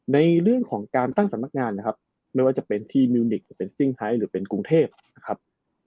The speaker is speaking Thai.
ในเรื่องของการตั้งสำนักงานนะครับไม่ว่าจะเป็นที่มิวนิกหรือเป็นซิ่งไฮหรือเป็นกรุงเทพนะครับ